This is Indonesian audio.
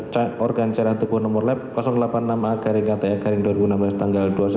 ceterangan dr j so palmard sekolah tiga puluh empat